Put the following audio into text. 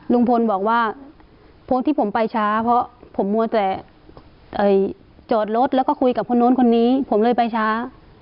ลุงพลบอกว่าโพสต์ที่ผมไปช้าเพราะผมมัวแต่จอดรถแล้วก็คุยกับคนนู้นคนนี้ผมเลยไปช้า